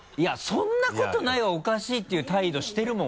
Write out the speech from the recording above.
そんなことないはおかしいっていう態度してるもん